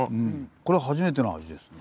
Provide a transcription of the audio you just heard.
これ初めての味ですね。